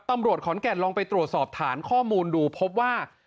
ตำรวจขอนแก่นลองไปตรวจสอบฐานข้อมูลดูพบว่า